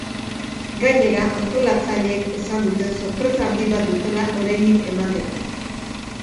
Gainera, antolatzaileek esan dute sorpresa handi bat dutela oraindik emateko.